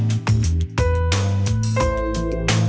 ชื่อฟอยแต่ไม่ใช่แฟง